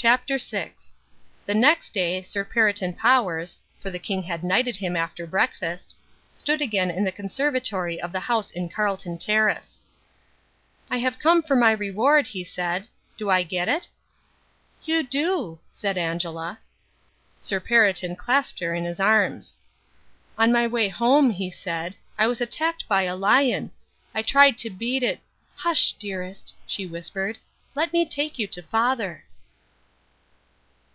CHAPTER VI The next day Sir Perriton Powers for the King had knighted him after breakfast stood again in the conservatory of the house in Carlton Terrace. "I have come for my reward," he said. "Do I get it?" "You do," said Angela. Sir Perriton clasped her in his arms. "On my way home," he said, "I was attacked by a lion. I tried to beat it " "Hush, dearest," she whispered, "let me take you to father."